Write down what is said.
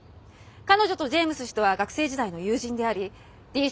彼女とジェームズ氏とは学生時代の友人でありＤＣ